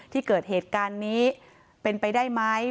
ที่เกิดเหตุการณ์นี้เป็นไปได้ไหม